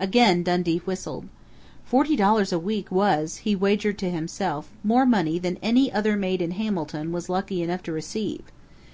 Again Dundee whistled. Forty dollars a week was, he wagered to himself, more money than any other maid in Hamilton was lucky enough to receive!